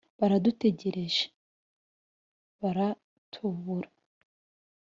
baradutegereje.bara tubura